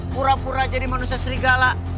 pura pura jadi manusia serigala